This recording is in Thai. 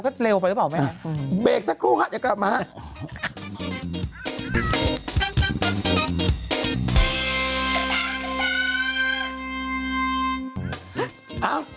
เขาเร็วไปหรือเปล่าถ้าเรียบแต่แปลงแค่ครึ่งนี้ิ้ง